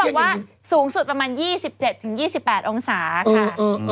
เขาบอกว่าสูงสุดประมาณ๒๗๒๘องศาเซียสค่ะ